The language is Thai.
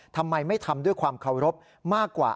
ทำไมไม่ทำด้วยความเคารพมากกว่า